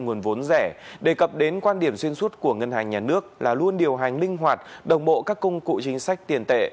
điều đó đề cập đến quan điểm xuyên suốt của ngân hàng nhà nước là luôn điều hành linh hoạt đồng bộ các công cụ chính sách tiền tệ